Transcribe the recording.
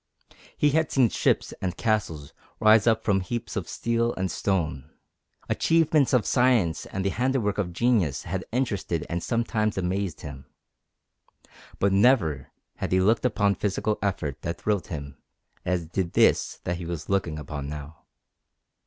He had seen ships and castles rise up from heaps of steel and stone; achievements of science and the handiwork of genius had interested and sometimes amazed him, but never had he looked upon physical effort that thrilled him as did this that he was looking upon now.